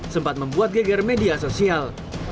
sempat membuat geger media sosial